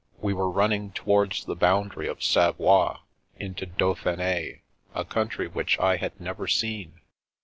We were running towards the boundary of Savoie, into Dauphine, a country which I had never seen.